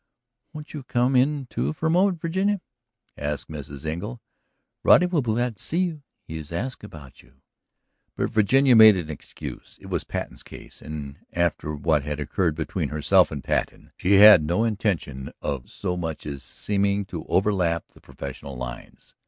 "Won't you come in too for a moment, Virginia?" asked Mrs. Engle. "Roddy will be glad to see you; he has asked about you." But Virginia made an excuse; it was Patten's case and after what had occurred between herself and Patten she had no intention of so much as seeming to overstep the professional lines.